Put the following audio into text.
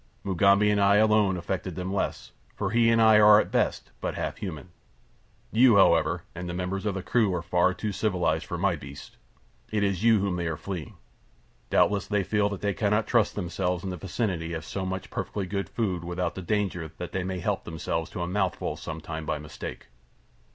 Mugambi and I alone affected them less, for he and I are, at best, but half human. You, however, and the members of the crew are far too civilized for my beasts—it is you whom they are fleeing. Doubtless they feel that they cannot trust themselves in the close vicinity of so much perfectly good food without the danger that they may help themselves to a mouthful some time by mistake."